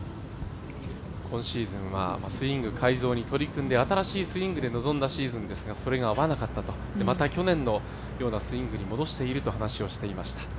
今シーズンはスイング改造に取り組んで新しいスイングで臨んだそれが合わなかったと、去年のようなスイングに戻していると話していました。